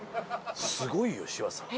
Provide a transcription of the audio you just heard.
すごいよ柴田さん。